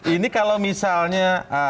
ini kalau misalnya